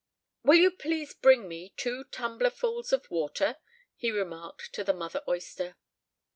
"Will you please bring me two tumblerfuls of water?" he remarked to the mother oyster.